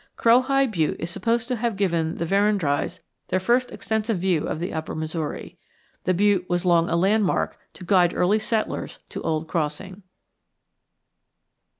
Crowhigh Butte is supposed to have given the Verendryes their first extensive view of the upper Missouri. The butte was long a landmark to guide early settlers to Old Crossing.